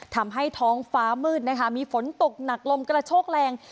ทำให้ท้องฟ้ามืดนะคะมีฝนตกหนักลมกระโชกแรง